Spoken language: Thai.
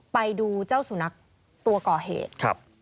ไปดูเจ้าสุนัขตัวก่อเหตุ